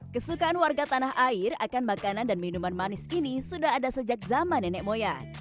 kesukaan warga tanah air akan makanan dan minuman manis ini sudah ada sejak zaman nenek moyang